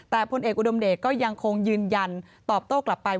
แต่พลเอกอุดมเดชก็ยังคงยืนยันตอบโต้กลับไป